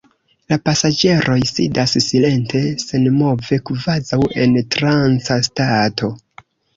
La pasaĝeroj sidas silente, senmove, kvazaŭ en tranca stato.